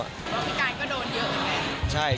แล้วพี่กายก็โดนเยอะอย่างนั้น